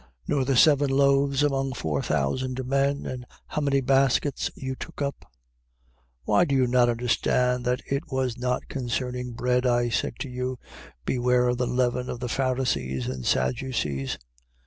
16:10. Nor the seven loaves, among four thousand men, and how many baskets you took up? 16:11. Why do you not understand that it was not concerning bread I said to you: Beware of the leaven of the Pharisees and Sadducees?